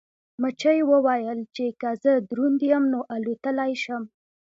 مچۍ وویل چې که زه دروند یم نو الوتلی شم.